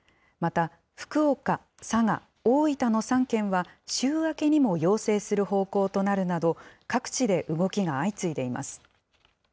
また福岡、佐賀、大分の３県は、週明けにも要請する方向となるなど、各地で動きが相次いでいます。